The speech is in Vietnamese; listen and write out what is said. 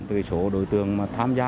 từ số đối tượng tham gia